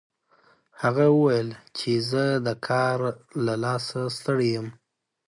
هغه وویل چې زه د کار له لاسه ستړی یم